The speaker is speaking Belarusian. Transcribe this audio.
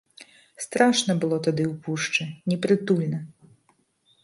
Страшна было тады ў пушчы, непрытульна.